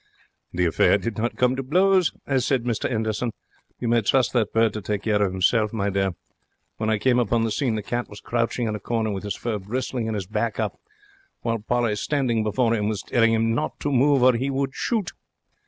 'The affair did not come to blows,' has said Mr 'Enderson. 'You may trust that bird to take care of himself, my dear. When I came upon the scene the cat was crouching in a corner, with his fur bristling and his back up, while Polly, standing before 'im, was telling 'im not to move or he would shoot.